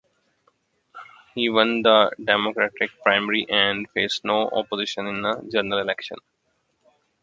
He won the Democratic primary and faced no opposition in the general election.